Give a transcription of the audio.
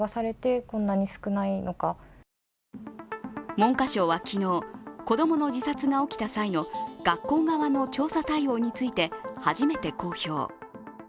文科省は昨日、子供の自殺が起きた際の学校側の調査対応について初めて公表。